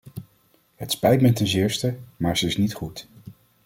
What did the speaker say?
Het spijt mij ten zeerste, maar ze is niet goed.